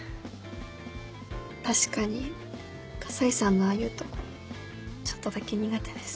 確かに河西さんのああいうとこちょっとだけ苦手です。